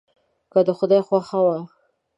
که د خدای خوښه وه.